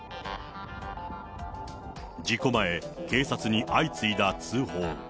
事故前、警察に相次いだ通報。